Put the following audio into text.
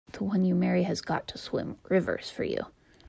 The one you marry has got to swim rivers for you!